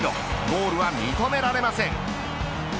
ゴールは認められません。